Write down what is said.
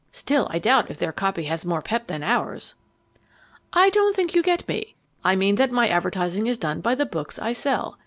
Still, I doubt if their copy has more pep than ours." "I don't think you get me. I mean that my advertising is done by the books I sell.